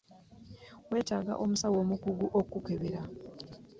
Weetaaga omusawo omukugu akukebere.